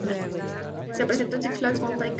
Se presentó en six flags mountain Ca.